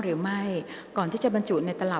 กรรมการท่านที่ห้าได้แก่กรรมการใหม่เลขเก้า